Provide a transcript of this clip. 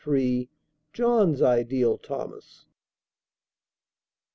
John's ideal Thomas.